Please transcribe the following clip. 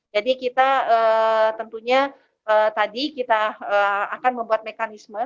jadi kita tentunya tadi kita akan membuat mekanisme